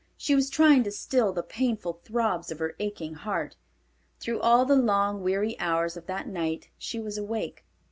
She was trying to still the painful throbs of her aching heart. Through all the long, weary hours of that night she was awake.